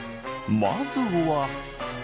まずは。